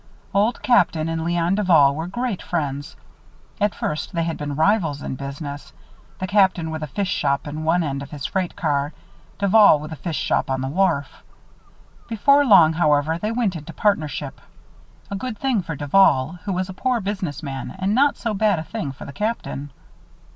Old Captain and Léon Duval were great friends. At first they had been rivals in business, the Captain with a fish shop in one end of his freight car, Duval with a fish shop on the wharf. Before long, however, they went into partnership. A good thing for Duval, who was a poor business man, and not so bad a thing for the Captain.